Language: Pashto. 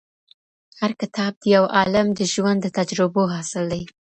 هر کتاب د يو عالم د ژوند د تجربو حاصل دی.